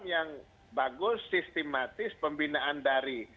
yang bagus sistematis pembinaan dari